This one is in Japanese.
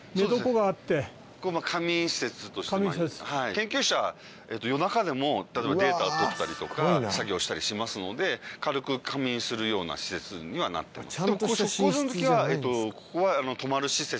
研究者夜中でも例えばデータを取ったりとか作業をしたりしますので軽く仮眠するような施設にはなっています。